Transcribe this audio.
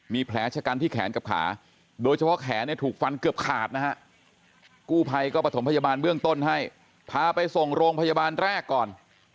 มีแผลชะกันที่แขนกับขาโดยเฉพาะแขนเนี่ยถูกฟันเกือบขาดนะฮะกู้ภัยก็ประถมพยาบาลเบื้องต้นให้พาไปส่งโรงพยาบาลแรกก่อน